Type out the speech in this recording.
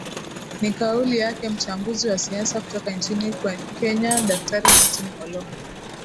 ni kauli yake mchambuzi wa siasa kutoka nchini kenya daktari martin ollo